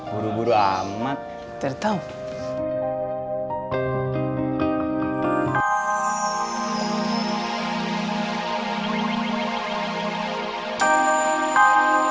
buru buru amat ternyata